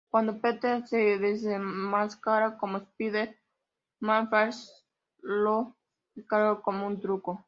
Cuando Peter se desenmascara como Spider-Man Flash lo descarta como un truco.